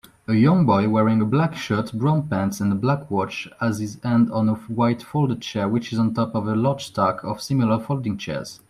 A young boy wearing a black shirt brown pants and a black watch has his hand on a white folded chair which is on the top of a large stack of similar folding chairs